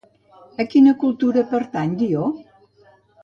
A quina cultura pertany Dió?